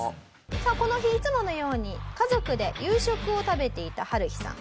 この日いつものように家族で夕食を食べていたハルヒさん。